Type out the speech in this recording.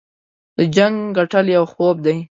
د جنګ ګټل یو خوب دی.